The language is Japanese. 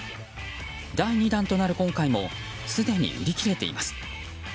第２弾となる今回もすでに売り切れています。